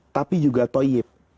tapi juga toyib